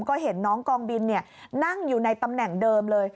ก็เห็นน้องกองบินนั่งอยู่ในตำแหน่งเดิมเลย